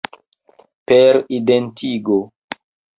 Per identigo.